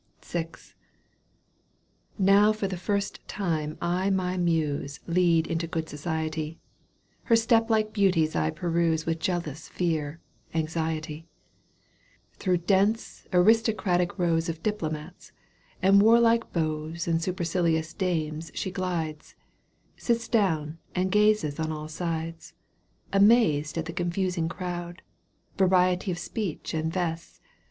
VI. Now for the first time I my Muse Lead into good society, Her steppe like beauties I peruse With jealous fear, anxiety. Through dense aristocratic rows Of diplomats and warlike beaux And supercilious dames she glides, Sits down and gazes on all sides — Amazed at the confusing crowd. Variety of speech and vests.